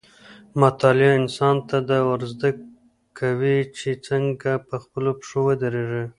مطالعه انسان ته دا ورزده کوي چې څنګه په خپلو پښو ودرېږي.